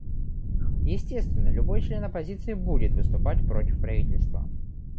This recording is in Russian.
Естественно, любой член оппозиции будет выступать против правительства.